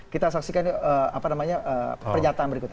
kita saksikan pernyataan berikutnya